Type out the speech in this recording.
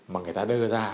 mà người ta đưa ra